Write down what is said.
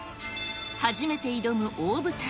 初めて挑む大舞台。